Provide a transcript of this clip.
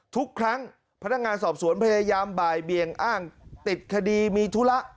ทุกครั้งพนักงานสอบสวนพยายามบ่ายเบียงอ้างติดคดีมีธุระ